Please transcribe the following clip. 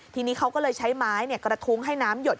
ทีนี้เขาก็เลยใช้ไม้กระทุ้งให้น้ำหยด